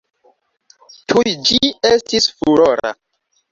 Tuj ĝi estis furora.